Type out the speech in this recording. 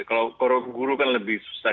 kalau guru kan lebih susah